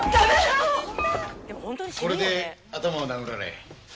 これで頭を殴られ。